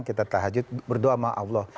kita tahajud berdoa sama allah